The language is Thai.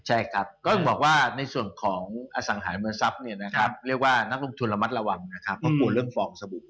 ใช่ครับก็บอกว่าในส่วนของอสังหารเมืองทรัพย์เนี่ยนะครับเรียกว่านักลงทุนระมัดระวังนะครับเพราะกลัวเรื่องฟองสบู่